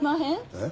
えっ？